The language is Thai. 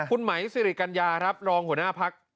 คุณไหมสิริกัญญาครับรองหัวหน้าพัก